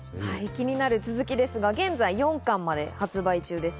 気になる続きですが、現在４巻まで発売中です。